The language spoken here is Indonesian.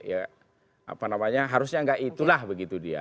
ya apa namanya harusnya nggak itulah begitu dia